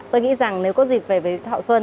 tôi nghĩ rằng nếu có dịp về với thọ xuân